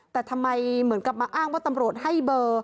แต่ทำไมเหมือนกับมาอ้างว่าตำรวจให้เบอร์